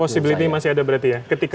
possibility masih ada berarti ya